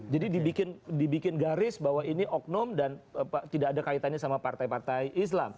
jadi dibikin garis bahwa ini oknum dan tidak ada kaitannya sama partai partai islam